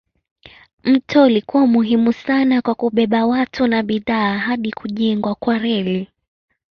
Mto ulikuwa muhimu sana kwa kubeba watu na bidhaa hadi kujengwa kwa reli.